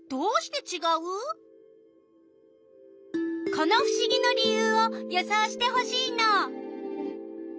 このふしぎの理ゆうを予想してほしいの！